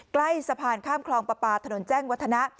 ใกล้สะพานข้ามคลองประปาถนนแจ้งวัฒนะ